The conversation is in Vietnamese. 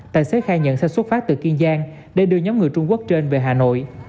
tài xế khai nhận xe xuất phát từ kiên giang để đưa nhóm người trung quốc trên về hà nội